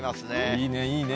いいね、いいね。